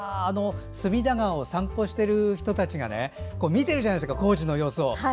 隅田川を散歩している人たちが見ているじゃないですか当時の様子を。